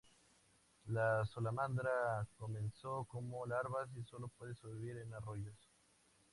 La salamandra comienza como larvas y solo puede sobrevivir en arroyos.